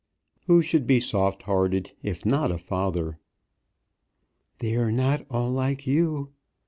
"Who should be soft hearted if not a father?" "They are not all like you.